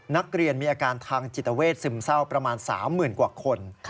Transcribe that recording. นักเรียนมีอาการทางจิตเวทซึมเศร้าประมาณ๓๐๐๐กว่าคน